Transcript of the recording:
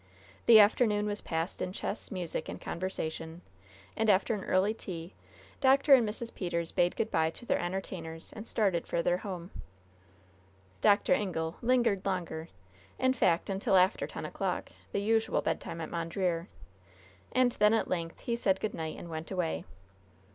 The afternoon was passed in chess, music and conversation, and after an early tea Dr. and Mrs. Peters bade good by to their entertainers and started for their home. Dr. Ingle lingered longer in fact, until after ten o'clock, the usual bedtime at Mondreer, and then at length he said good night and went away.